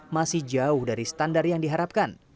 masih jauh dari standar yang diharapkan